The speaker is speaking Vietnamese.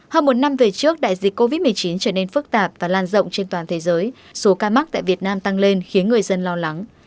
hơn một năm về trước đại dịch covid một mươi chín trở nên phức tạp và lan rộng trên toàn thế giới số ca mắc tại việt nam tăng lên khiến người dân lo lắng